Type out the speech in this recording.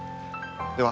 では。